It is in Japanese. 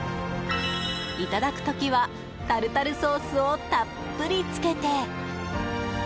いただく時はタルタルソースをたっぷりつけて。